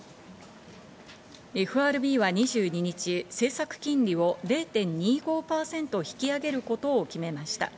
ＦＲＢは２２日、政策金利を０．２５％引き上げることを決めました。